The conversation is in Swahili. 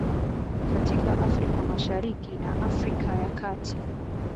katika Afrika Mashariki na Afrika ya kati